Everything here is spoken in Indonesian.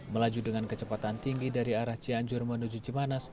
melaju dengan kecepatan tinggi dari arah cianjur menuju cimanas